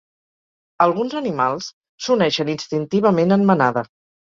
Alguns animals s"uneixen instintivament en manada.